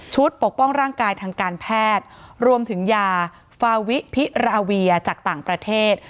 ปกป้องร่างกายทางการแพทย์รวมถึงยาฟาวิพิราเวียจากต่างประเทศ